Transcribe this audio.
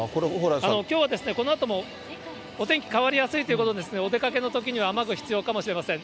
きょうはこのあともお天気変わりやすいということで、お出かけのときには雨具が必要かもしれません。